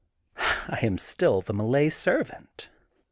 I am still the Malay servant.